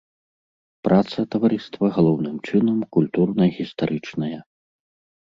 Праца таварыства галоўным чынам культурна-гістарычная.